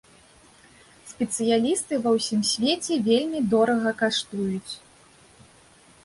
Спецыялісты ва ўсім свеце вельмі дорага каштуюць.